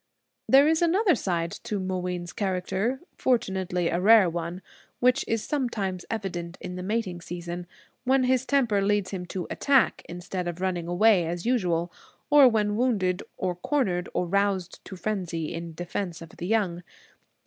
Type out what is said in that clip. There is another side to Mooween's character, fortunately a rare one, which is sometimes evident in the mating season, when his temper leads him to attack instead of running away, as usual; or when wounded, or cornered, or roused to frenzy in defense of the young.